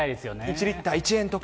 １リッター１円とか。